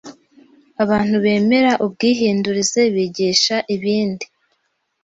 Abantu bemera ubwihindurize bigisha ibindi